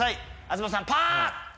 東さんパ！